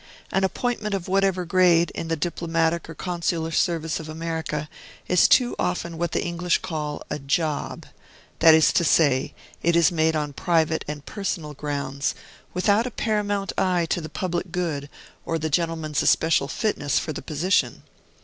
An appointment of whatever grade, in the diplomatic or consular service of America, is too often what the English call a "job"; that is to say, it is made on private and personal grounds, without a paramount eye to the public good or the gentleman's especial fitness for the position.